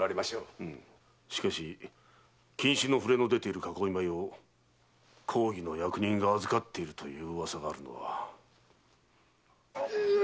しかし禁止の触れの出ている囲い米を公儀の役人が預かっているという噂があるのは。